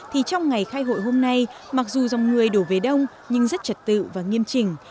thì trong ngày khai hội hôm nay mặc dù dòng người đổ về đông nhưng rất trật tự và nghiêm trình